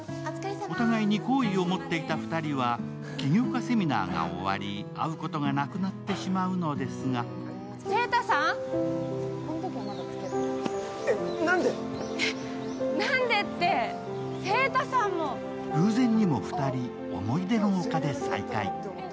お互いに好意を持っていた２人は起業家セミナーが終わり会うことがなくなってしまうのですが偶然にも２人、思い出の丘で再会。